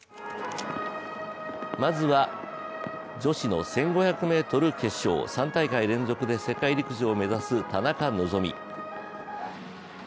まずは女子の１５００ｍ決勝、３大会連続で世界陸上を目指す田中希実。